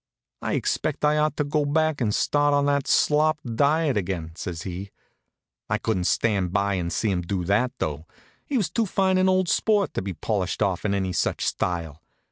"I expect I ought to go back and start in on that slop diet again," says he. I couldn't stand by and see him do that, though. He was too fine an old sport to be polished off in any such style.